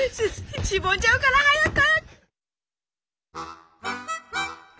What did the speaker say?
しぼんじゃうから早く！